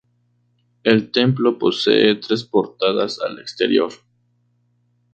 El templo posee tres portadas al exterior.